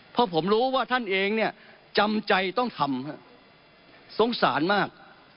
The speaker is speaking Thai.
เพราะผมรู้ว่าท่านเองเนี่ยจำใจต้องทำสงสารมาก